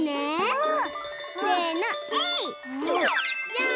うん！